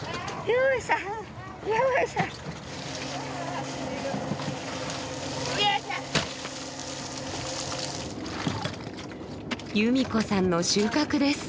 由美子さんの収穫です。